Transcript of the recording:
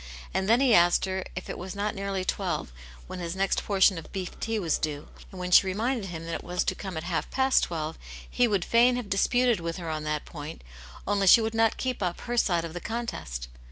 And then he asked her if it was not nearly twelve, when his next portion of beef tea was due ; and when she reminded him that it was to come at half past twelve, he would fain have disputed with her on that point, only she would not keep up her side of the contest.